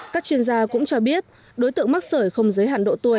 các chuyên gia cũng cho biết đối tượng mắc sởi không giới hạn độ tuổi